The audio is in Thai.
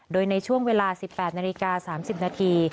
โดยในช่วงเวลา๑๘นาฬิกา๓๐นาที